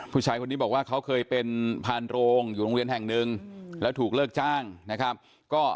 ผู้ชายคนนี้บอกว่าเขาเคยเป็นพานโรงอยู่โรงเรียนแห่งหนึ่งแล้วถูกเลิกจ้างนะครับ